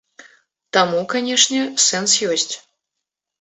Таму, канечне, сэнс ёсць.